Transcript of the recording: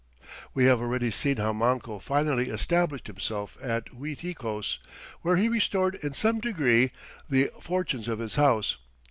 We have already seen how Manco finally established himself at Uiticos, where he restored in some degree the fortunes of his house.